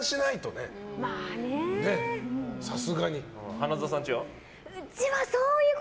花澤さんちは？